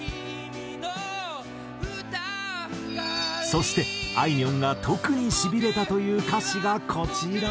そしてあいみょんが特にしびれたという歌詞がこちら。